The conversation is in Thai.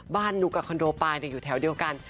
นุ๊กกับคอนโดปายอยู่แถวเดียวกัน